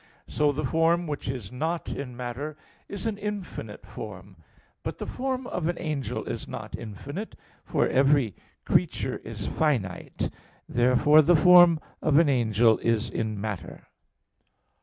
So the form which is not in matter is an infinite form. But the form of an angel is not infinite, for every creature is finite. Therefore the form of an angel is in matter.